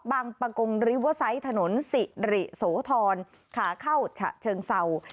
บางปะกงริเวอร์ไซต์ถนนสิริโสธรขาเข้าฉะเชิงเศร้า